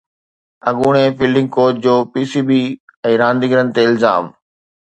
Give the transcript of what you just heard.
اڳوڻي fielding coach جو P C B ۽ رانديگرن تي الزام